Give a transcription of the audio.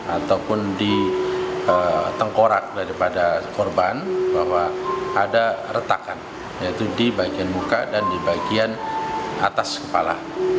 ada yang menunjukkan terdapat retakan di bagian muka dan di bagian atas kepala